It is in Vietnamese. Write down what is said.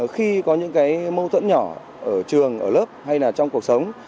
khi có những cái mâu thuẫn nhỏ ở trường ở lớp hay là trong cuộc sống